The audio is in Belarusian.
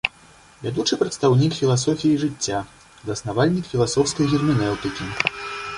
Вядучы прадстаўнік філасофіі жыцця, заснавальнік філасофскай герменеўтыкі.